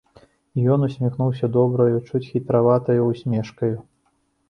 І ён усміхнуўся добраю, чуць хітраватаю ўсмешкаю.